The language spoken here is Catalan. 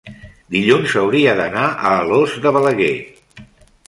dilluns hauria d'anar a Alòs de Balaguer.